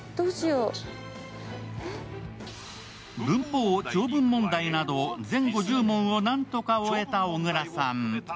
文法・長文問題など全５０問をなんとか終えた小倉さん。